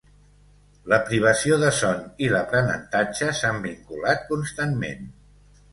La privació de son i l'aprenentatge s'han vinculat constantment.